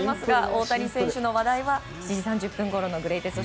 大谷選手の話題は７時３０分ごろのグレイテスト